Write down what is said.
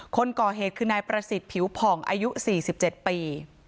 คนก่อเหตุคือนายประสิทธิ์ผิวผ่องอายุ๔๗ปี